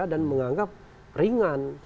dan menganggap ringan